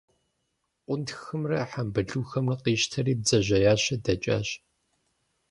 Къунтхымрэ хьэмбылухэмрэ къищтэри, бдзэжьеящэ дэкӏащ.